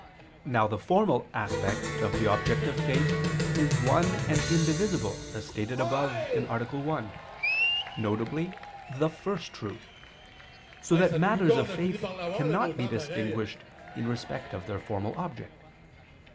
Now the formal aspect of the object of faith is one and indivisible, as stated above (A. 1), viz. the First Truth, so that matters of faith cannot be distinguished in respect of their formal object.